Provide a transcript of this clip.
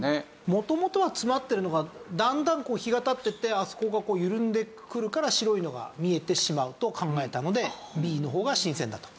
元々は詰まってるのがだんだん日が経っていってあそこが緩んでくるから白いのが見えてしまうと考えたのでＢの方が新鮮だと。